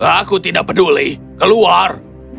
aku tidak peduli keluar